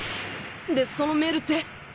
でそのメールって？